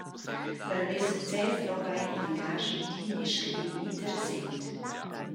Per haver success drova ei igl engaschi d’in e scadin interessent.